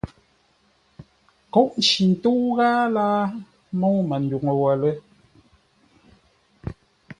Kôʼ nci ńtə́u ghâa láa môu Manduŋ wə̂ lə́!